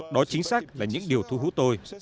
đó chính xác là những điều thu hút tôi